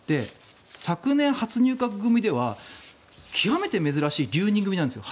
昨年、初入閣組では極めて珍しい留任組なんですよ